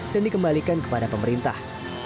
dan dikembalikan kepada pemerintah